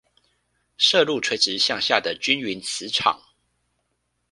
射入垂直向下的均勻磁場